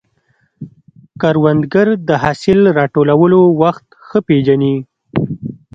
کروندګر د حاصل راټولولو وخت ښه پېژني